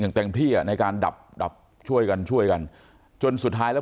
เต็มที่อ่ะในการดับดับช่วยกันช่วยกันจนสุดท้ายแล้ว